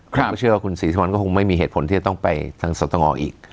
ครับก็เชื่อว่าคุณศรีสมันก็คงไม่มีเหตุผลที่จะต้องไปทางสตเองอกออกอีก